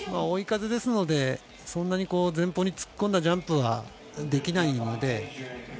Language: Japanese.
追い風ですのでそんなに前方に突っ込んだジャンプはできないので。